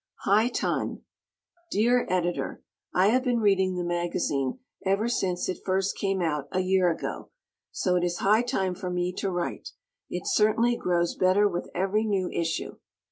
"High Time" Dear Editor: I have been reading the magazine ever since it first came out, a year ago, so it is high time for me to write. It certainly grows better with every new issue.